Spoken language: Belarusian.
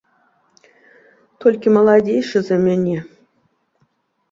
Толькі маладзейшы за мяне.